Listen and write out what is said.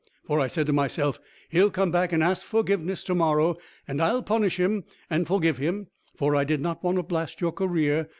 For I said to myself, `He'll come back and ask forgiveness to morrow, and I'll punish him and forgive him,' for I did not want to blast your career.